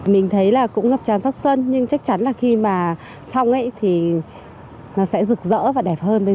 mình thấy là cũng ngập tràn sắc xuân nhưng chắc chắn là khi mà xong thì nó sẽ rực rỡ và đẹp hơn bây giờ